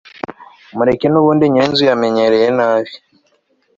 mureke nubundi nyirinzu yamenyereye nabi